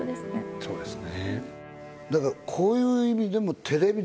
そうですね。